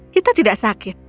kita tidak sakit